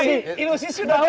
dan ini ilusi sudah berhasil